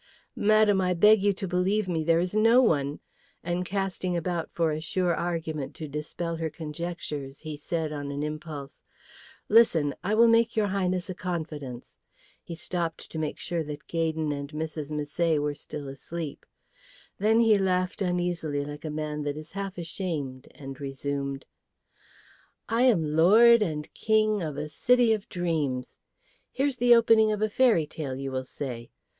"Madam, I beg you to believe me, there is no one;" and casting about for a sure argument to dispel her conjectures, he said on an impulse, "Listen; I will make your Highness a confidence." He stopped, to make sure that Gaydon and Mrs. Misset were still asleep. Then he laughed uneasily like a man that is half ashamed and resumed, "I am lord and king of a city of dreams. Here's the opening of a fairy tale, you will say.